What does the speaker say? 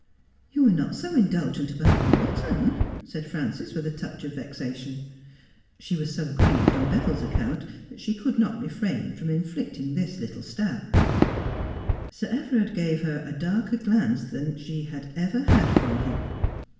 ' You were not so indulgent about Morton,' said Frances, with a touch of vexation. She was so grieved on Beville's account that she could not refrain from inflicting this little stab. Sir Everard gave her a darker glance than she had ever had from him.